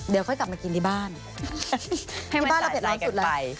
เดี๋ยวค่อยกลับมากินที่บ้านที่บ้านเราเด็ดร้อนสุดเลย